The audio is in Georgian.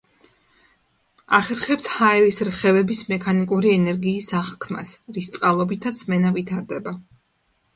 ახერხებს ჰაერის რხევების მექანიკური ენერგიის აღქმას, რის წყალობითაც სმენა ვითარდება.